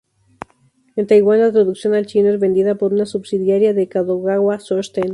En Taiwán, la traducción al chino es vendida por una subsidiaria de Kadokawa Shoten.